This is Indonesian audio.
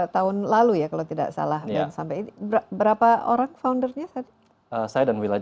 yang bisa menempomos daerah